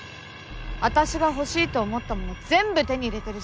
私が欲しいと思ったもの全部手に入れてるじゃない。